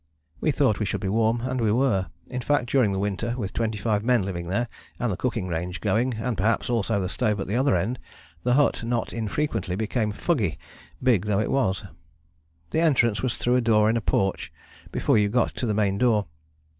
We thought we should be warm, and we were. In fact, during the winter, with twenty five men living there, and the cooking range going, and perhaps also the stove at the other end, the hut not infrequently became fuggy, big though it was. The entrance was through a door in a porch before you got to the main door.